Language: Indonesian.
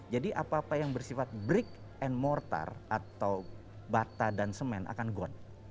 jadi apa apa yang bersifat brick and mortar atau bata dan semen akan gone